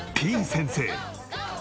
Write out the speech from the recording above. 先生。